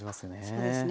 そうですね。